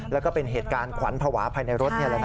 แล้วก็เป็นเหตุการณ์ขวัญภาวะภายในรถ